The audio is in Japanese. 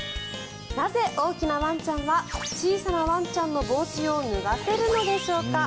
なぜ大きなワンちゃんは小さなワンちゃんの帽子を脱がせるのでしょうか。